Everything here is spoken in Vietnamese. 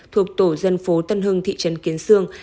thuộc tổ dân phố tân hưng thị trấn kiến sương